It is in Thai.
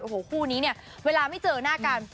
โอ้โหคู่นี้เนี่ยเวลาไม่เจอหน้ากัน